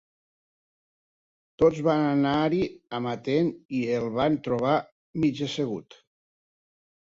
Tots van anar-hi amatents i el van trobar mig assegut